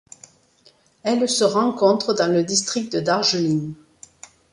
Elle se rencontre dans le district de Darjeeling.